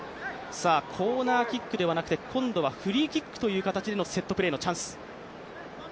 コーナーキックではなくて今度はフリーキックという形でのセットプレーのチャンス。